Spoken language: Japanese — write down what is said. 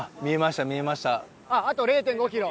あと０．５キロ。